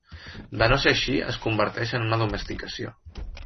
De no ser així es converteix en una domesticació.